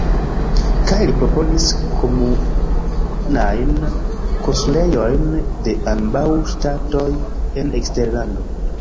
Kaj li proponis komunajn konsulejojn de ambaŭ ŝtatoj en eksterlando.